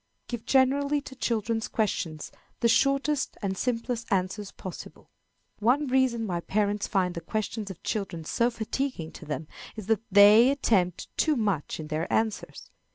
Give generally to children's questions the shortest and simplest answers possible. One reason why parents find the questions of children so fatiguing to them, is that they attempt too much in their answers.